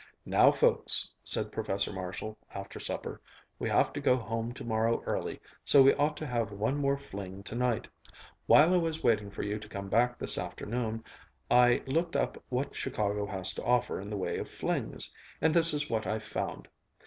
"Now, folks," said Professor Marshall, after supper, "we have to go home tomorrow early, so we ought to have one more fling tonight. While I was waiting for you to come back this afternoon, I looked up what Chicago has to offer in the way of flings, and this is what I found.